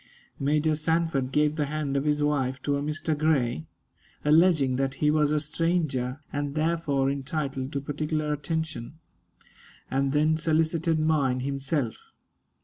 Major Sanford gave the hand of his wife to a Mr. Grey, alleging that he was a stranger, and therefore entitled to particular attention, and then solicited mine himself.